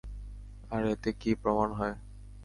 আর এতে কী প্রমাণ হয়?